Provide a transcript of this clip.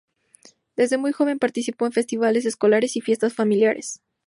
Desde muy joven participó en festivales escolares y fiestas familiares.